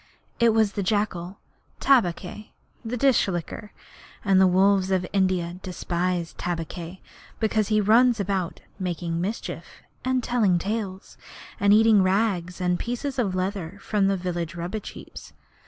It was the jackal Tabaqui, the Dish licker and the wolves of India despise Tabaqui because he runs about making mischief, and telling tales, and eating rags and pieces of leather from the village rubbish heaps.